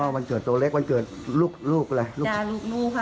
อ๋อวันเกิดตัวเล็กวันเกิดลูกอะไร